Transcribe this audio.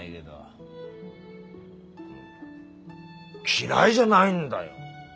嫌いじゃないんだよ